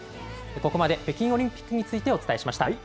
ここまで北京オリンピックについてお伝えしました。